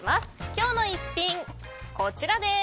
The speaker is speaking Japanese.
今日の逸品はこちらです。